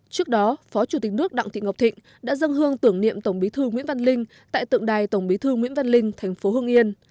trước đó phó chủ tịch nước đặng thị ngọc thịnh đã dâng hương tưởng niệm tổng bí thư nguyễn văn linh tại tượng đài tổng bí thư nguyễn văn linh thành phố hưng yên